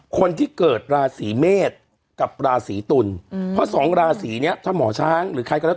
คนที่เกิดราศีเมษกับราศีตุลเพราะสองราศีเนี้ยถ้าหมอช้างหรือใครก็แล้ว